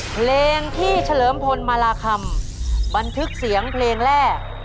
เพลงที่เฉลิมพลมาราคำบันทึกเสียงเพลงแรก